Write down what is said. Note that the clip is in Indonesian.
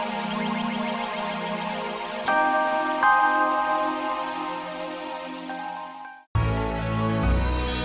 kapan aku bisa ke jakarta untuk mencari anakku